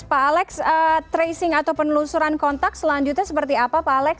pak alex tracing atau penelusuran kontak selanjutnya seperti apa pak alex